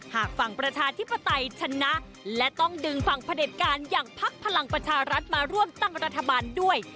หากฝั่งประชาธิปไตยชนะและต้องดึงฝั่งพระเด็จการอย่างพักพลังประชารัฐมาร่วมตั้งรัฐบาลด้วย